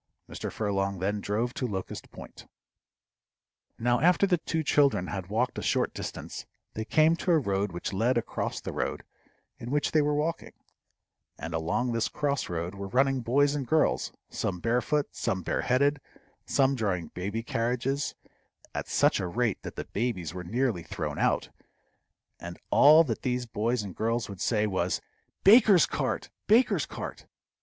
Mr. Furlong then drove to Locust Point. Now after the two children had walked a short distance, they came to a road which led across the road in which they were walking, and along this cross road were running boys and girls, some barefoot, some bare headed, some drawing baby carriages at such a rate that the babies were nearly thrown out; and all that these boys and girls would say was, "Baker's cart! baker's cart!"